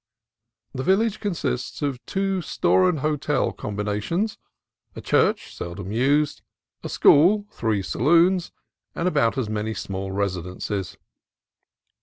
The village con sists of two store and hotel combinations, a church seldom used, a school, three saloons, and about as many small residences.